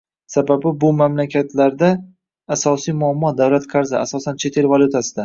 Sababi, bu mamlakatlarda asosiy muammo - davlat qarzi, asosan chet el valyutasida